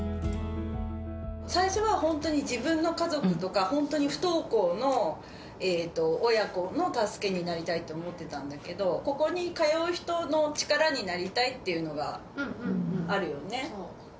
最初は本当に、自分の家族とか、本当に不登校の親子の助けになりたいと思ってたんだけど、ここに通う人の力になりたいっていうのがあるよね。